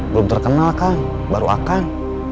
belum terkenal kan baru akan